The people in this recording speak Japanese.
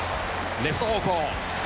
レフト方向。